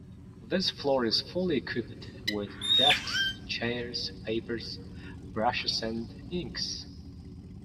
This floor is fully equipped with desks, chairs, papers, brushes and inks.